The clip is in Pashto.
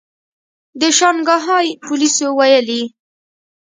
د شانګهای پولیسو ویلي